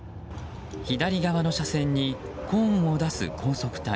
左側の車線にコーンを出す高速隊。